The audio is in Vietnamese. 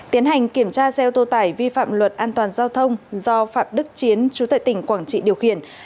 tiến hành kiểm tra xe ô tô tải vi phạm luật an toàn giao thông do phạm đức chiến chú tại tỉnh quảng trị điều khiển